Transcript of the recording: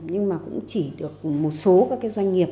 nhưng mà cũng chỉ được một số các cái doanh nghiệp